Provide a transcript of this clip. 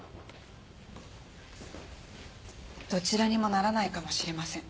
どちらにもならないかもしれません。